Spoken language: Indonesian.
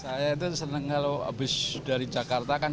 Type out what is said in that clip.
saya itu senang kalau habis dari jakarta kan